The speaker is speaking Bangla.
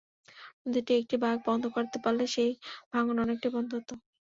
নদীটির একটি বাঁক বন্ধ করতে পারলে সেই ভাঙন অনেকটাই বন্ধ হতো।